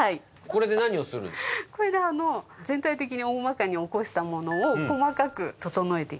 これで全体的に大まかに起こしたものを細かく整えて。